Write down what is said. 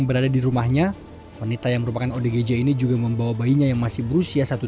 berada di rumahnya wanita yang merupakan odgj ini juga membawa bayinya yang masih berusia satu